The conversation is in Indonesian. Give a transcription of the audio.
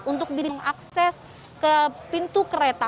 untuk biring akses ke pintu kereta